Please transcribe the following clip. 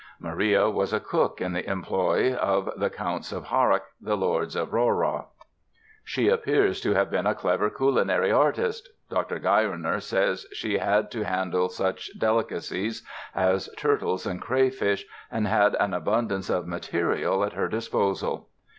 Maria was a cook in the employ of the Counts of Harrach, the lords of Rohrau. She appears to have been a clever culinary artist (Dr. Geiringer says she "had to handle such delicacies as turtles and crayfish and had an abundance of material at her disposal."